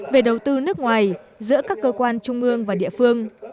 về đầu tư nước ngoài giữa các cơ quan trung ương và địa phương